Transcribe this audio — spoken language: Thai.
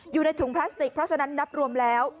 อยู่ในถุงพลาสติกเพราะฉะนั้นนับรวมแล้ว